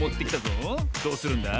どうするんだ？